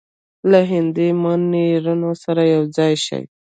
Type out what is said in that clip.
له هندي منورینو سره یو ځای شي.